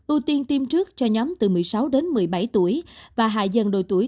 ưu tiên tiêm trước cho nhóm từ một mươi sáu đến một mươi bảy tuổi và hạ dần độ tuổi